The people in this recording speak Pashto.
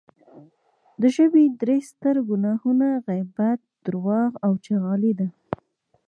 د ژبې درې ستر ګناهونه غیبت، درواغ او چغلي دی